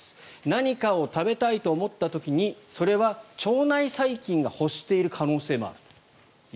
何かを食べたいと思った時にそれは腸内細菌が欲している可能性もあると。